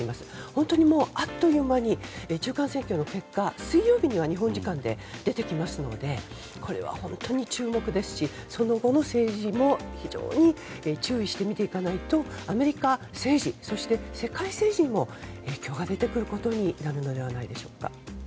本当にあっという間に中間選挙の結果は水曜日には日本時間で出るのでこれは本当に注目ですしその後の政治も非常に注目して見ていかないとアメリカ政治そして世界政治にも影響が出てくることになるのではないでしょうか。